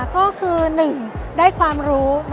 ก็คือ๑ได้ความรู้